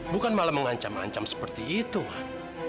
bukan malah mengancam ancam seperti itu mah